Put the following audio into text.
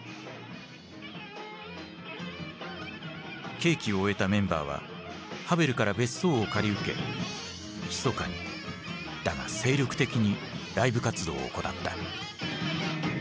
刑期を終えたメンバーはハヴェルから別荘を借り受けひそかにだが精力的にライブ活動を行った。